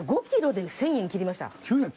５キロで１０００円切りました。